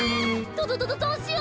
どどどどどうしよう！？